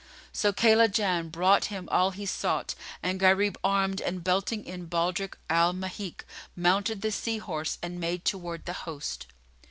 So Kaylajan brought him all he sought and Gharib armed and belting in baldrick Al Mahik, mounted the sea horse and made toward the hosts.